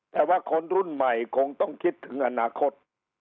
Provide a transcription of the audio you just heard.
แต่ว่าคนรุ่นใหม่คงต้องคิดถึงอนาคต